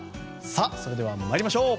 それでは参りましょう。